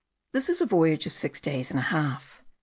This is a voyage of six days and a half.